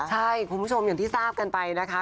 ใช่คุณผู้ชมอย่างที่ทราบกันไปนะคะ